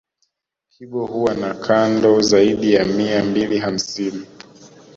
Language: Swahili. Kibo huwa na kando zaidi ya mia mbili hamsini